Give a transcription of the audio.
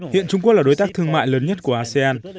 hiện trung quốc là đối tác thương mại lớn nhất của asean